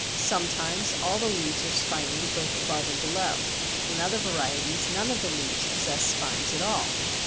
Sometimes all the leaves are spiny, both above and below. In other varieties none of the leaves possess spines at all.